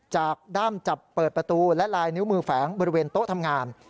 ด้ามจับเปิดประตูและลายนิ้วมือแฝงบริเวณโต๊ะทำงาน